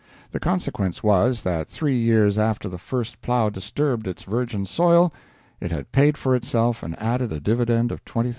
The consequence was, that three years after the first plow disturbed its virgin soil, it had paid for itself and added a dividend of $20,000.